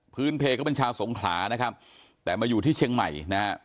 พื้นเพย์ในชาวสงขรานะครับมาอยู่ที่เชียงใหม่